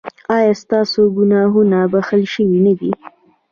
ایا ستاسو ګناهونه بښل شوي نه دي؟